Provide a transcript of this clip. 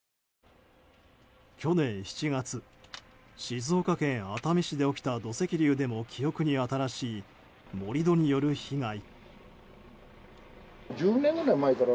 去年７月、静岡県熱海市で起きた土石流でも記憶に新しい盛り土による被害。